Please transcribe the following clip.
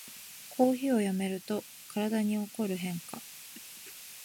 コーヒーをやめると体に起こる変化